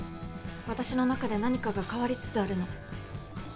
私の中で何かが変わりつつあるの。